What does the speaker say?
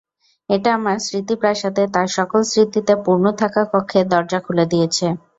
এটা আমার স্মৃতিপ্রাসাদে তার সকল স্মৃতিতে পুর্ণ থাকা কক্ষের দরজা খুলে দিয়েছে।